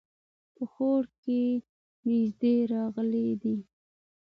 په خوړ کې نيز راغلی دی